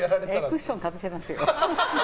クッションかぶせます。